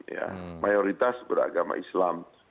ya mayoritas beragama islam